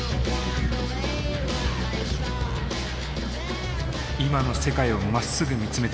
今の世界をまっすぐ見つめてほしい。